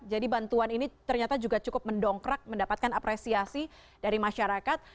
jadi bantuan ini ternyata juga cukup mendongkrak mendapatkan apresiasi dari masyarakat